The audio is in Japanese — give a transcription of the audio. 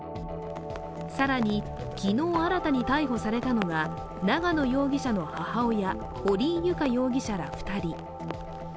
更に、機能新たに逮捕されたのが、永野容疑者の母親、堀井由香容疑者ら２人。